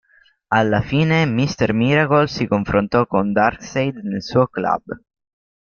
Alla fine, Mister Miracle si confrontò con Darkseid nel suo club.